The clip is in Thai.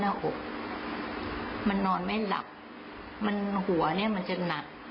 เพราะว่าตอนนี้แม่จะขายตึกแถวที่บรรจักษ์